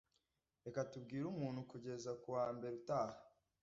Reka tubwire umuntu kugeza kuwa mbere utaha